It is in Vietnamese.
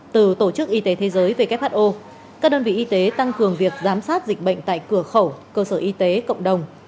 từ tổ chức y tế thế giới who các đơn vị y tế tăng cường việc giám sát dịch bệnh tại cửa khẩu cơ sở y tế cộng đồng